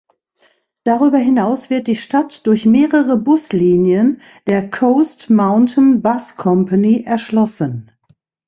Darüber hinaus wird die Stadt durch mehrere Buslinien der Coast Mountain Bus Company erschlossen.